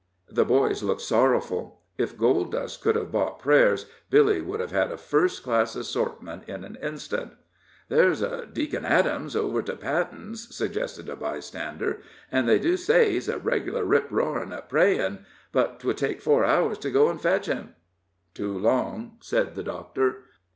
The boys looked sorrowful if gold dust could have bought prayers, Billy would have had a first class assortment in an instant. "There's Deacon Adams over to Pattin's," suggested a bystander; "an' they do say he's a reg'lar rip roarer at prayin'! But 'twould take four hours to go and fetch him." "Too long," said the Doctor.